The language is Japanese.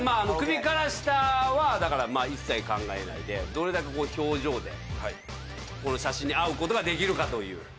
首から下はだからまあ一切考えないでどれだけ表情でこの写真に合う事ができるかという。